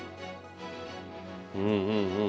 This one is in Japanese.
うんうんうん。